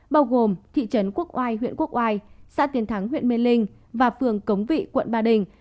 bao gồm thị trấn quốc oai huyện quốc oai xã tiền thắng huyện mê linh và phường cống vị quận ba đình